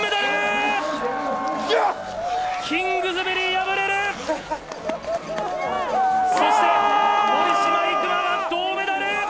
金メダル！